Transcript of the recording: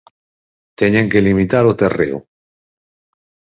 Teñen que limitar o terreo.